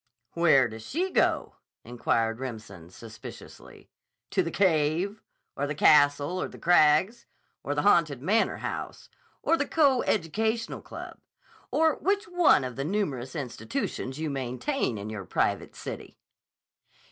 "Where does she go?" inquired Remsen suspiciously. "To the Cave? Or the Castle on the Crags? Or the Haunted Manor House? Or the Co educational Club? Or which one of the numerous institutions you maintain in your private city?"